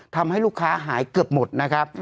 ทำให้ลูกค้าหายเกือบหมดนะครับ